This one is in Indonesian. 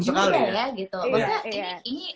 sekali iya gitu bahkan ini